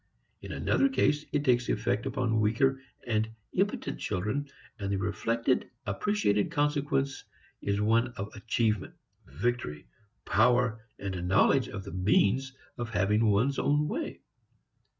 In another case, it takes effect upon weaker and impotent children, and the reflected appreciated consequence is one of achievement, victory, power and a knowledge of the means of having one's own way.